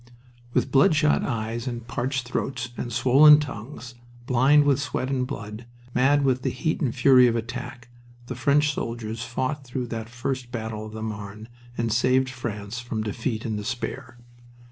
With bloodshot eyes and parched throats and swollen tongues, blind with sweat and blood, mad with the heat and fury of attack, the French soldiers fought through that first battle of the Marne and saved France from defeat and despair.